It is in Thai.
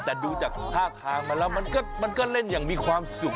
แต่ดูจากท่าทางมันแล้วมันก็เล่นอย่างมีความสุข